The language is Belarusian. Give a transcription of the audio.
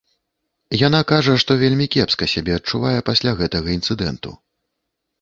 Яна кажа, што вельмі кепска сябе адчувае пасля гэтага інцыдэнту.